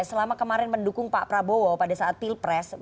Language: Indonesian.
selama kemarin mendukung pak prabowo pada saat pilpres